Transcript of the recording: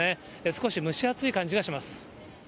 少し蒸し暑い感じがします。